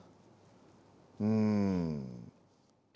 うん。